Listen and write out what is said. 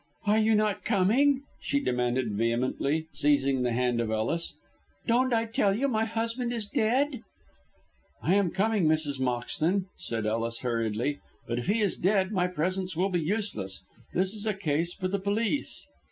"Are you not coming?" she demanded vehemently, seizing the hand of Ellis. "Don't I tell you my husband is dead!" "I am coming, Mrs. Moxton," said Ellis, hurriedly. "But if he is dead my presence will be useless. This is a case for the police."